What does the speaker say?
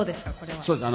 そうです。